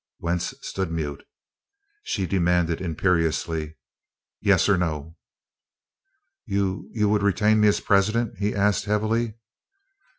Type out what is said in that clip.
Wentz stood mute. She demanded imperiously: "Yes or no?" "You you would retain me as president?" he asked, heavily.